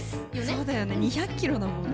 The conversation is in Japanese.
そうだよね２００キロだもんね。